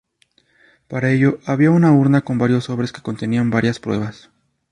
Para ello, había una urna con varios sobres que contenían varias pruebas.